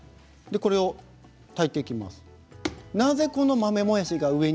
これを炊いていきます。